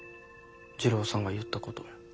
次郎さんが言ったこと。